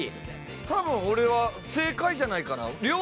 多分俺は正解じゃないかな。